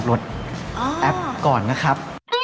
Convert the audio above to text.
แอปก่อนนะครับ